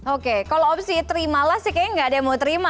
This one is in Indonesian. oke kalau opsi terimalah sih kayaknya nggak ada yang mau terima